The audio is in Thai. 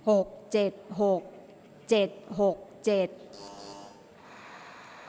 ออกรางวัลที่๖